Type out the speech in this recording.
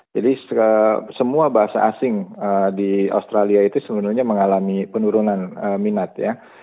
jadi semua bahasa asing di australia itu sebenarnya mengalami penurunan minat ya